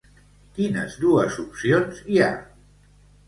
Quines dues opcions hi ha?